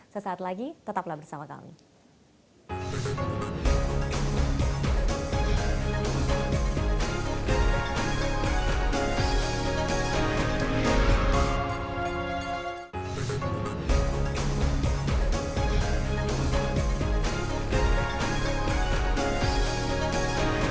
sesaat lagi tetaplah bersama kami